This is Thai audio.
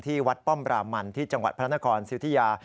วัดป้อมรามันที่จังหวัดพระนครสิทธิยา